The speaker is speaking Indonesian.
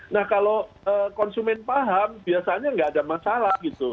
nah kalau konsumen paham biasanya nggak ada masalah gitu